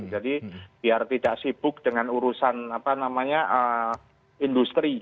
jadi biar tidak sibuk dengan urusan industri